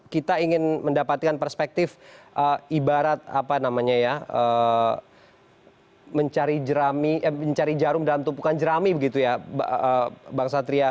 kita ingin mendapatkan perspektif ibarat apa namanya ya mencari jarum dalam tumpukan jerami begitu ya bang satria